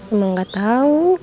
emang gak tahu